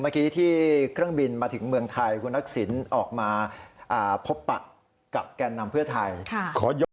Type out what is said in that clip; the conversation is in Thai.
เมื่อกี้ที่เครื่องบินมาถึงเมืองไทยคุณทักษิณออกมาพบปะกับแก่นนำเพื่อไทย